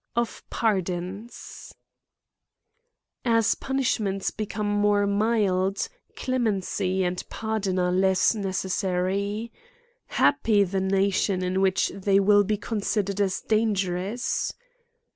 Of Pardons* AS punishments become more mild, clemency and pardon are less necessary. Happy the nation in which they will be considered as dangerous